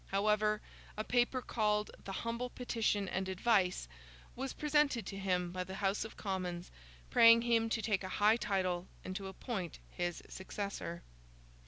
However, a paper, called the 'Humble Petition and Advice,' was presented to him by the House of Commons, praying him to take a high title and to appoint his successor.